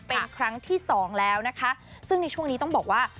เป็นครั้งที่สองแล้วนะคะซึ่งในช่วงนี้ต้องบอกว่า